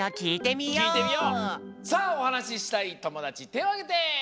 さあおはなししたいともだちてをあげて！